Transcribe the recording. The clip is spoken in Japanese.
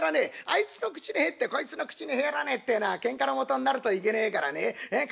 あいつの口に入ってこいつの口に入らねえっていうのはケンカのもとになるといけねえからね数がなくっちゃいけねえよ。